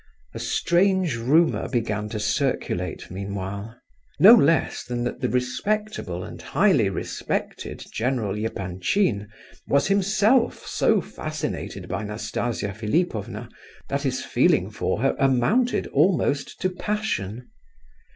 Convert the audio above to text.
A strange rumour began to circulate, meanwhile; no less than that the respectable and highly respected General Epanchin was himself so fascinated by Nastasia Philipovna that his feeling for her amounted almost to passion.